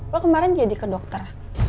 lo kemarin jadi ke dokter